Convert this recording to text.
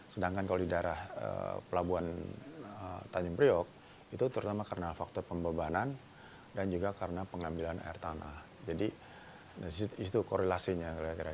sedangkan kalau di daerah pelabuhan tanjung priok itu terutama karena faktor pembebanan dan juga karena pengambilan air tanah jadi itu korelasinya